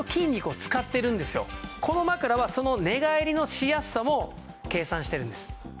この枕はその寝返りのしやすさも計算してるんです。